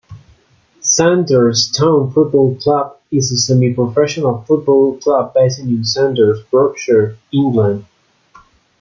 Sandhurst Town Football Club is a semi-professional football club based in Sandhurst, Berkshire, England.